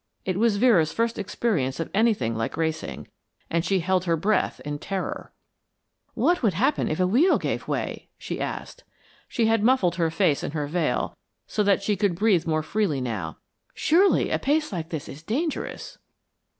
It was Vera's first experience of anything like racing, and she held her breath in terror. "What would happen if a wheel gave way?" she asked. She had muffled her face in her veil, so that she could breathe more freely now. "Surely a pace like this is dangerous."